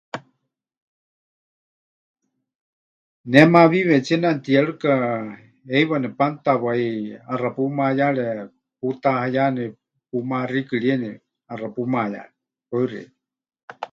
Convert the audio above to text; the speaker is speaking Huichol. Ne mawiiwetsie neʼanutiyerɨka heiwa nepanutawai, ʼaxa pumayare, putahayani, pumaxikɨrieni, ʼaxa pumayare. Paɨ xeikɨ́a.